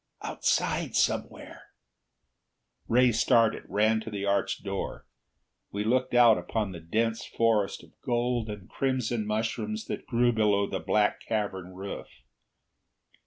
"Outside, somewhere!" Ray started; ran to the arched door. We looked out upon the dense forest of gold and crimson mushrooms that grew below the black cavern roof.